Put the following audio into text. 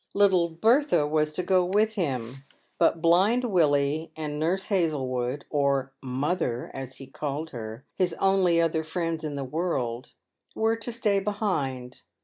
Little Bertha was to go with him, but blind "Willie and Nurse Hazlewood, or " mother," as he called her — his only other friends in the world — were to stay behind.